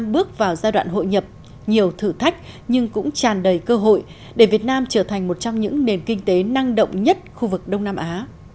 bước vào giai đoạn hội nhập nhiều thử thách nhưng cũng tràn đầy cơ hội để việt nam trở thành một trong những nền kinh tế năng động nhất khu vực đông nam á